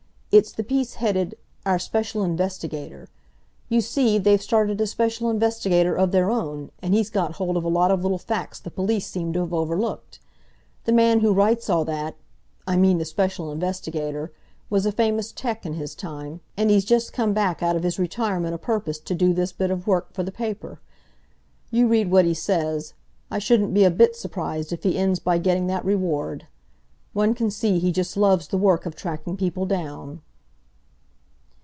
"It's the piece headed, 'Our Special Investigator.' You see, they've started a special investigator of their own, and he's got hold of a lot of little facts the police seem to have overlooked. The man who writes all that—I mean the Special Investigator—was a famous 'tec in his time, and he's just come back out of his retirement o' purpose to do this bit of work for the paper. You read what he says—I shouldn't be a bit surprised if he ends by getting that reward! One can see he just loves the work of tracking people down."